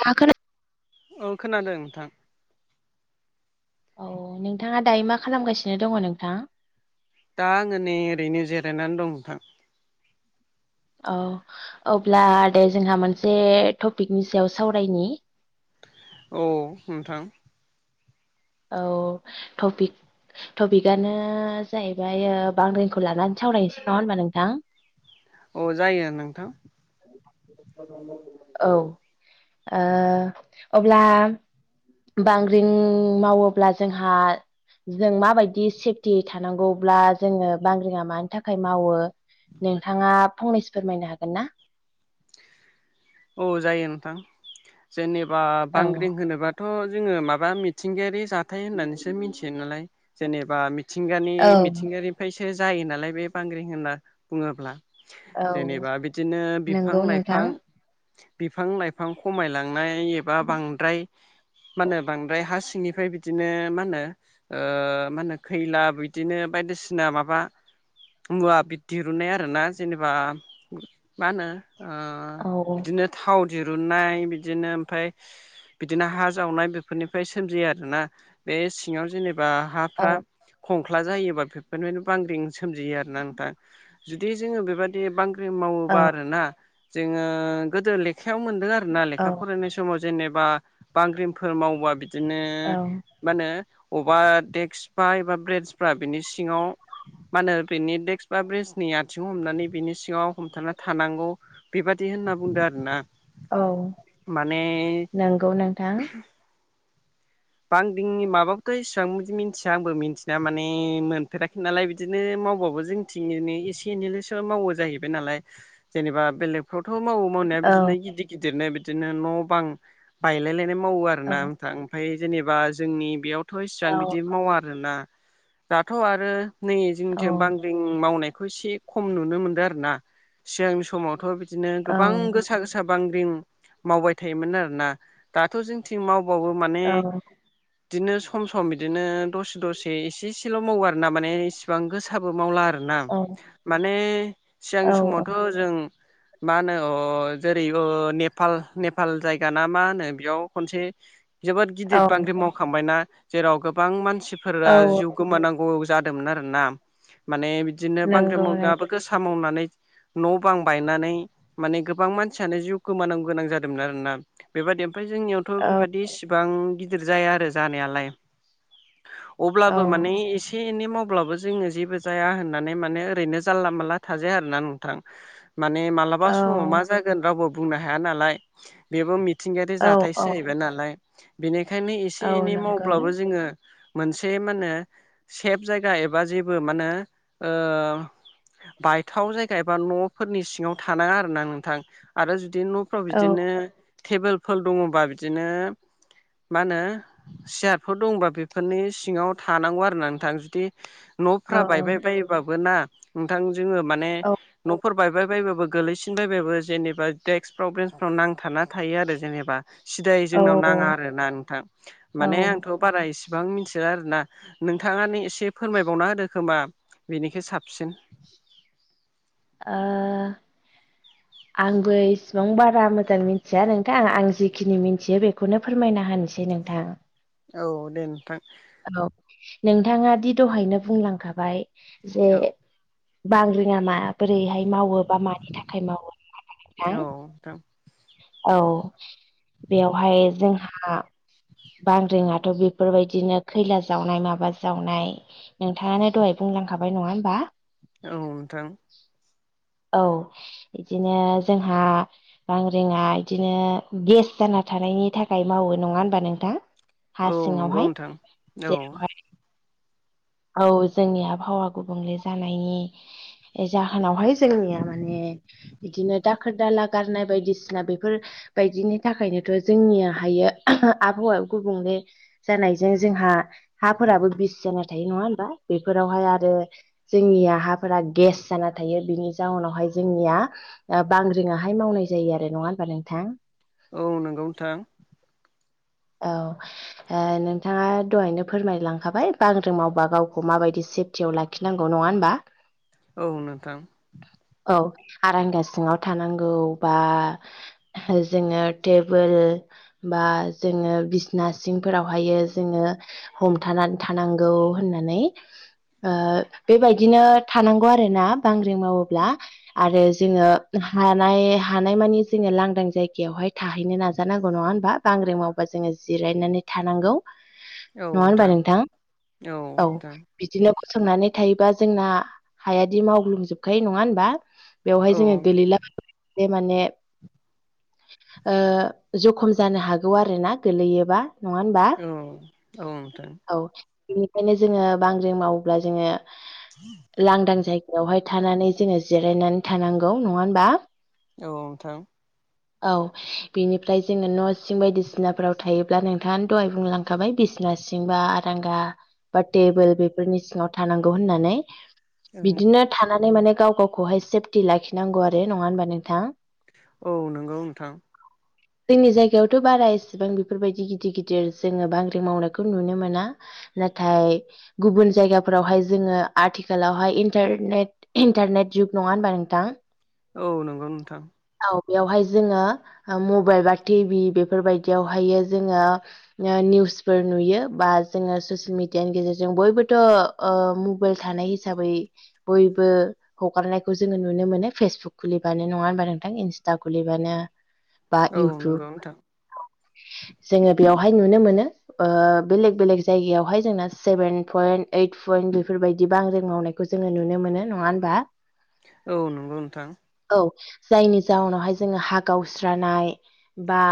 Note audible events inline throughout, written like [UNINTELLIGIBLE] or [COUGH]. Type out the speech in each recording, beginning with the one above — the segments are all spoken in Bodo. नोंथांङा खोना औ खोनादों नोंथां। औ नोंथाङा दायो मा खालामगासिनो दङ नोंथां? दा आङो नै ओरैनो जिरायनानै दं नोंथां। औ अब्ला दे जोंहा मोनसे टपिकनि सायाव सावरायनि। औ नोंथां। औ टपिक टपिकआनो जाहैबाय ओ बांग्रिंखौ लानानै सावरायनोसै नङा होनबा नोंथां? औ जायो नोंथां। औ ओ अब्ला बांग्रिं मावोब्ला जोंहा जों माबायदि सेफटि थानांगौब्ला जोङो बांग्रिङा मानि थाखाय मावो। नोंथाङा फंनैसो फोरमायनो हागोन ना? औ जायो नोंथां। जेनेबा औ बांग्रिं होनोबा थ' जोङो माबा मिथिंगायारि जा थाय होननानैसो मिथियो नालाय जेनेबा मिथिंगानि औ मिथिंगारि फ्रायसो जायो नालाय बे बांग्रिं होनना बुङोब्ला। औ जेनेबा बिदिनो बिफां नंगौ नोंथां लाइफां बिफां लाइफां खमायलांनाय एबा बांद्राय मा होनो बांद्राय हा सिंनिफ्राय बिदिनो मा होनो ओ मा होनो खैला बिदिनो बायदिसिना माबा मुवा दिरुननाय आरोना जेनेबा मा होनो औ बिदिनो थाव दिरुननाय बिदिनो ओमफ्राय बिदिनो हा जावनाय बेफोरनिफ्राय सोमजियो आरोना बे सिङाव जेनेबा हा औ फ्रा खंख्ला जायोबा बेफोरनिनो बांग्रिं सोमजियो आरोना नोंथां जुदि जोङो बेबादि बांग्रि मावोबा औ आरोना जोङो गोदो लेखायाव मोन आरोना लेखा औ फरायनाय समाव जेनेबा बांग्रिमफोर मावबा बिदिनो औ मा होनो बबेबा डेक्सफ्रा एबा बे्रेन्सफ्रा बिनि सिङाव मा होनो बेनि डेक्स बा ब्रिजनि आथिं हमनानै बिनि सिङाव हमथाना थानांगौ बेबादि होनना बुंदो आरोना। औ माने नंगौ नोंथां। बाग्रिंनि माबोथ' इसिबां बिदि मिथिया आंबो मिथिना माने मोनफेराखै नालाय बिदिनो मावबाबो जों थनो एसे एनैल'सो मावो जाहैबाय नालाय जेनेबा बेलेग फ्रावथ' मावो मावनाया औ बिदिनो गिदिर गिदिरनो बिदिनो न' बां बायलायलायनाय मावो आरो औ आरोनाोंथां ओमफ्राय जेनेबा जोंनि बेयावथ' औ इसिबां बिदि मावा आरोना दाथ' आरो नै औ जोंनिजोंं बांग्रिं मावनायखौ एसे खम नुनो मोनदों आरोोना सिगांनि समावथ' बिदिनो औ गोबां गोसा गोसा था बांग्रिं मावबाय थायोमोन आरोना दाथ' जोंथिं मावबावो माने औ बिदिनो सम सम बिदिनो दसे दसे एसे एसेल' मावो आरोना माने इसिबां गोसो थाबो मावला आरोना औ माने औ सिगांनि समावथ' जों मा होनो जेरै नेपाल नेपाल जायगााना मा होनो बेयाव खनसे जोबोद गिदिर औ बांग्रि मावखांबायना जेराव गोबां मानसिफोरा औ जिउ गोमानांगौ जादोंमोन आरोना माने बिदिनो बांग्रि नंगौ नों मुगायाबो गोसा मावनानै न' बां बायनानै माने गोबां मानसियानो जिउ गोोमानांग गोनां जादोंमोन आरोना। बेबादि ओमफ्राय जोंनियावथ' औ बेबादि इसिबां गिदिर जाया आरो जानायालाय। औ अब्लाबो माने एसे एसे एनै मावब्लाबो जोङो जेबो जाया होननानै माने ओरैनो जानला मानला थाजाया आरोना नोंथां माने माल माब्लाबा औ समाव मा जागोन रावबो बुंनो हाया नालाय बेबो मिथिंगायारि औ औ जाथायसो जाहैबाय नालाय बेनिखायनो एसे औ एनै नंगौ औ मावब्लाबो जोङो मोनसे मानो सेफ जायगा एबा जेबो मानो ओ बायथाव जायगा एबा न'फोरनि सिङाव थानाङा आरोना नोंथां आरो जुदि न' फाव औ बिदिनो टेबोलफोर दङबा बिदिनो मा होनो सियारफोर दंबा बेफोरनि सिङाव थानांगौ आरो ना नोंथां जुदि न'फ्रा बायबाय बायोबाबो ना नोंथां जोङो माने फोर बायबाय बबाबो गोलैसिन बबाबो जेनेबा दडेक्सफ्राव बेन्सफ्राव नांथाना थायो आरो जेनेबा सिदाय जोंनाव नाङा औ आरोोना नोंथां औ ओ माने आंथ' बारा इसिबां मिथिया आरोना नोंथाङानो एसे फोरमायबावना होदो खोमा बेनिखो साबसिन ओ [INAUDIBLE] आंबो इसिबां बारा मोजां मिथिया नोंथां आं जिखिनि मिथियो बेखौनो फोरमायना होनसै नोंथां औ दे नोंथां। औ नोंथाङा दि दहायनो बुंलांखाबाय जे औ बांग्रिङा म बोरैहाय मावो बा मानि थाखाय मावो औ नोंथां [UNINTELLIGIBLE] औ बेवहाय जोंहा बांग्रिंङाथ' बि बेफोरबायदिनो खैला जावनाय माबा जावनाय नोंथाङानो दहाय बुंलांखाबाय नङा होमबा औ नोंथां औ बिदिनो जोंहा बां रिङा बिदिनो गेस जाना थानायनि थाखाय मावो नङा होनबा नोंथां? हा औ नंगौ सिङावहाय नोंथां औ जावहाय [INAUDIBLE] औ जोंनि आबहावा गुबुंले जानायनि जाहोनावहाय जोंनिया माने बिदिनो दाखोर दाला गारनाय बायदिसिना बेफोर बायदिनि थाखायनोथ' जोंनिया हायो आबहावा गुबुंले जानायजों जोंहा हाफोराबो बिस जानानाय थायो नङा होमबा बेफोरावहाय आरो जोंनिया हाफोरा गेस जाना थायो बिनि जाउनावहाय जोंनिया बांग्रिङाहाय मावनाय जायो आरो नङा होमबा नोंथां। औ नंगौ नोंथां। औ ओ नोंथाङा दहायनो फोरमायलांखाबाय बांग्रों मावबा गावखौ माबायदि सेफ खिथियाव लाखिनांगौ नङा होनोमबा औ नोंथां। औ आरांगा सिङाव थानांगौ बा जोङो टेबोल बा जोङो बिसना सिंफोरावहायो जोङो हमथाना थानांगौ होननानै ओ बेबायदिनो थानांगौ आरोोना बांग्रि मावोब्ला आरो जोङो हानाय हानाय मानि जोङो लांदां जायगायावहाय थाहैनो नाजानांगौ नङा होनबा बांग्रि जोङो जिरायनानै थानांगौ। औ नङा होनबा नोंथां औ नोंथां। बिदिनो गसंनानै थायोबा जोंना हायादि मावग्लुंजोबखायो नङा होनबा बेवहाय औ जोङो गोलैला बे माने जखम जानो हागौ आरो [UNINTELLIGIBLE] गोलैयोबा नङा होनबा औ औ नोंथां। औ बेनिखायनो जोङो बांग्रिं मावोब्ला जोङो [UNINTELLIGIBLE] लांदां जायगायावहाय थानानै जोङो जिरायनानै थानांगौ नङा होनोमबा औ नोंथां। औ बिनिफ्राय जोङो न' सिं बायदिसिना बिसिनाफोराव थायोब्ला नोंथाङा दहाय बुंलांखाबाय बिसिना सिंबा आरांगा बा टेबोल बेफोरनि सिङाव थानांगौ होननानै औ बिदिनो थानानै माने गाव गावखौहाय सेफटि लाखिनांगौ आरो नङा होमबा नोंथां। औ नंगौ नोंथां। जोंनि जायगायावथ' बारा एसे एसेबां बेफोरबायदि गिदिर गिदिर जोङो बांग्रि मावनायखौ नुनो मोना नाथाय गुबुन जायगाफोरावहाय जोङो आथिखालावहाय इन्टारनेट इन्टारनेट जुग नङा होनबा नोंथां। औ नंगौ नोंथां। औ बेयावहाय जोङो मबाइल बा टिभि बेफोरबायदियावहायो जोङो निउसफोर नुयो बा जोङो ससियेल मिडियानि गेजेरजों बयबोथ' ओ मबाइल थानाय हिसाबै बयबो हगारनायखौ जोङो नुनो मोनो फेसबुक खुलिबानो नङा होनबा नोंथां इन्स्टा खुलिबानो बा औ इउटुब नंगौ [UNINTELLIGIBLE] जोङो बेयावहाय नुनो मोनो ओ बेलेग बेलेग जायगायावहाय जोंना सेभेन पयन्ट ओइट पयट बेफोरबायदि बांग्रि मावनाय खौ जोङो नुनो मोनो नङा होनमबा औ नंगौ नोंथां। औ जायनि जाउनावहाय जोङो हा गावस्रानाय बा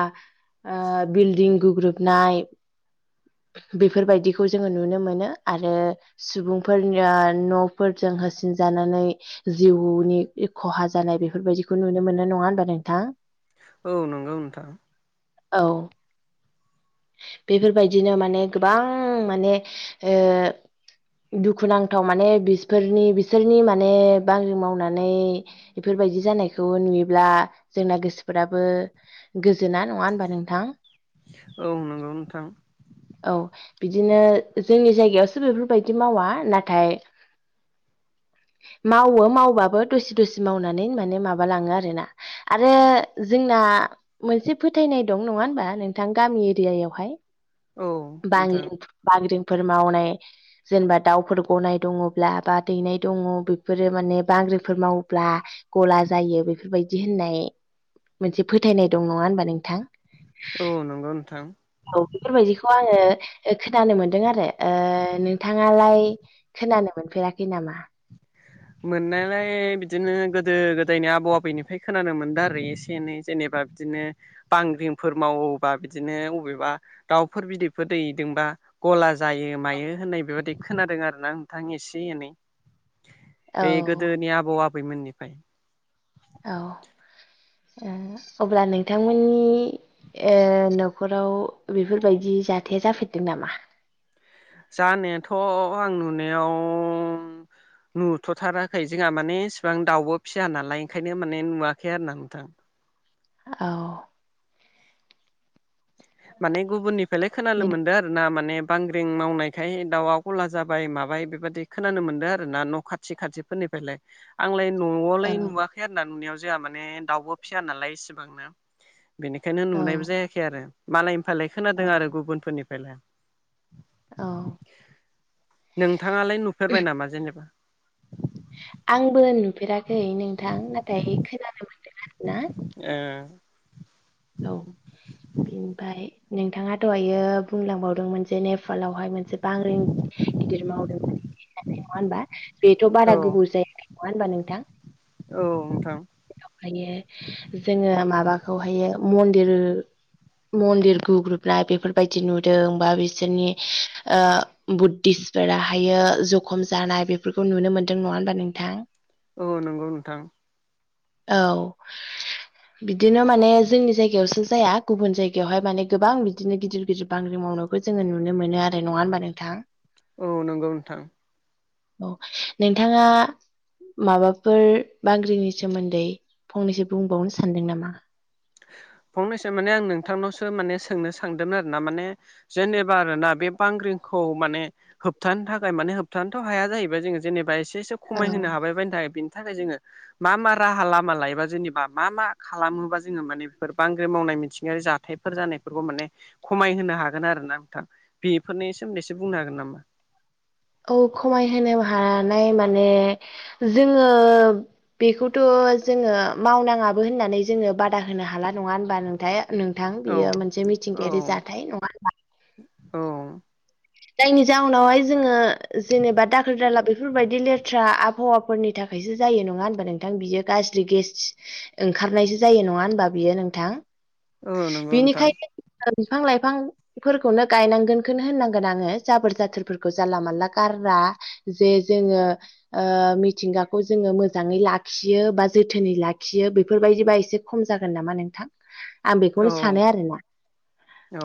ओ बिल्डिं गुग्रोबनाय बेफोरबायदिखौ जोङो नुनो मोनो आरो सुबुंफोरनि न'फोरजों होसिनजानानै जिउनि खहा जानाय बेफोरबायदिखौ नुनो मोननाय नङा होबा नोंथां। औ नंगौ नोंथां। औ बेफोरबायदिनो माने गोबां माने ओ दुखुनांथाव माने बिसफोरनि बिसोरनि माने बांग्रि मावनानै बेफोरबायदि जानायखौ नुयोब्ला जोंना गोसोफोराबो गोजोना नङा होमबा नोंथां। औ नंगौ नोंथां औ बिदिनो जोंनि जायगायावसो बेफोरबायदि मावा नाथाय मावो मावबाबो दसि दसि मावनानै माने माबालाङो आरोना आरो जोंना मोनसे फोथायनाय दं नङा होनबा नोंथां गामि एरियायावहाय औ नोंथां बांग्रि बांग्रिंफोर मावनाय जेनेबा दाउफोर गनाय दङब्ला बा दैनाय दङ बेफोरो माने बांग्रिफोर मावोब्ला गला जायो बेफोरबायदि होननाय मोनसे फोथायनाय दं नङा होनबा नोंथां। औ नंगौ नोंथां। औ बेफोरबायदिखौ आङो खोनानो मोनदों आरो नोंथाङालाय खोनानो मोनफेराखै नामा? मोननायालाय बिदिनो गोदो गोदायनि आबौ आबैनिफ्राय खोनानो मोनदों आरो एसे एनै जेनेबा बिदिनो बांग्रिंफोर मावोबा बिदिनो अबेबा दाउफोर बिदैफोर दैदोंबा गला जायो मायो होननाय बेबायदि खोनादों आरोना नोंथां एसे एनै औ ओइ गोदोनि आबौ आबैमोननिफ्राय औ ओम अब्ला नोंथांमोननि ए न'खराव बेफोरबायदि जाथाया जाफेरदों नामा? जानायाथ' आं नुनायाव नुथ'थाराखै जोंहा माने इसिबां दाउबो फिया नालाय ओंखायनो माने नुवाखै आरो ना नोंथां। औ माने गुबुननिफ्रायलाय खोनानो नों मोनदों आरो आर ना माने बांग्रिं मावनायखाय दाउआ गला जाबाय माबाय बेबायदि खोनानो मोनदों आरोना न' खाथि खाथि फोरनिफ्रायलाय आंलाय न'आवलाय औ नुवाखै खै आरोना नुनायाव जाया माने दाउबो फिया नालाय इसिबांनो बेनिखायनो औ नुनायबो जायाखै। आरो मालायनिफ्रायलाय खोनादों औ आरो गुबुनफोरनिफ्रायलाय। औ नोंथाङालाय नुफेरबाय नामा जेनेबा? आंबो नुफेराखै नोंथां नाथाय खोनानो मोनदों आरो ना। एओ औ बेनिफ्राय नोंथाङा दहायो बुंलांबावदोंमोन जे ने फालावहाय मोनसे बांग्रि गिदिर मावदों होननानै नङा होनबा बेथ' बारा ओ औ गोबाव जायाखै नङा होनबा नोंथां। औ नोंथां ओफायो जोङो माबाखौहायो मन्दिर मन्दिर ग्रुबनाय बेफोरबायदि नुदों बा बिसोरनि ओ बुद्धिस फोराहायो जखम जानाय बेफोरखौ नुनो मोन्दों नङा होनबा नोंथां। औ नंगौ नोंथां औ बिदिनो माने जोंनि जायगायावसो जाया गुबुन जायगायावहाय माने गोबां बिदिनो गिदिर गिदिर बांग्रि मावनाय खौ जोङो नुनो मोनो आरो नङा होनबा नोंथां। औ नंगौ नोंथां। नोंथाङा माबाफोर बांग्रिनि सोमोन्दै फंनैसो बुंबावनो सानदों नामा? फंनैसो माने आं नोंथांनावसो माने सोंनो सानदोंमोन आरो ना माने जेनेबा आरोना बे बांग्रिंखौ माने होबथानो थाखाय माने होबथानोथ' हाया जाहैबाय जोङो जेनेबा एसे एसे औ खमायहोनो हाबाय बनि थाखाय बेनि थाखाय जोङो मा मा राहा लामा लायोबा जेनेबा मा मा खालामोबा जोङो माने बेफोर बांग्रि मावनाय मिथिंगायारि जाथायफोर जानायफोरखौ माने खमाय होनोनो हागोन आरो ना नोंथां। बेफोरनि सोमोन्दैसो बुंनो हागोन नामा? औ खमाय होनोनो हानाय माने जोङो बेखौथ' जोङो मावनाङाबो होननानै जोङो बादा होनो हाला नङा होनबा नोंथे। नोंथां औ बियो मोनसे औ मिथिंगायारि जाथाय नङा होनोमा? औ। जायनि जाउनावहाय जोङो जेनेबा दाखोर दाला बेफोरबायदि लेथ्रा आबहावाफोरनि थाख फायसो जायो नङा होनबा नोंथां बियो गाज्रि गेस ओंखारनायसो जायो नङा होनबा बियो नोंथां? औ नंगौ नोंथां बिनिखायनो बिफां लाइफांफोरखौनो गायनांगोनखौनो होननांगौ। गोन आङो जाबोर जाथोरफोरखौ जानला मानला गारा जे जोङो ओ मिथिंगाखौ जोङो मोजाङै लाखियो बा जोथोनै लाखियो बेफोरबायदिबा एसे खम जागोन नामा नोंथां। आं बेखौनो औ सानो आरोना।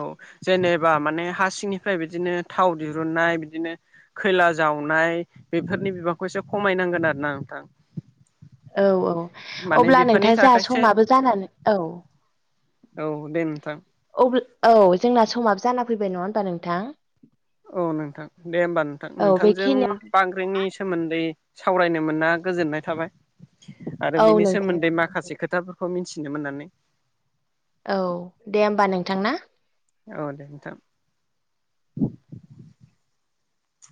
औ। जेनेबा माने हा सिंनिफ्राय बिदिनो थाव दिरुननाय बिदिनो खैला जावनाय बेफोरनि बिबांखौ एसे खमायनांगोन आरो ना नोंथां। औ औ माने अब्ला बेफोरनि नोंथां जोंहा थाखायसो समाबो जानानै औ। औ दे नोंथां। अब्ल औ जोंना समाबो जाना फैबाय नङा होमबा नोंथां? औ नोंथां दे होमबा नोंथां औ नोंथांजों बेखिनियाव बांग्रिंनि सोमोन्दै सावरायनो मोनना गोजोननाय थाबाय। आरो औ बिनि नोंथां सोमोन्दै माखासे खोथाफोरखौ मिथिनो मोननानै। औ दे होमबा नोंथां ना। औ दे नोंथां।